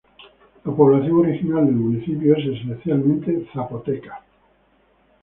La población original del municipio es esencialmente zapoteca.